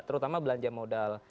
terutama belanja modal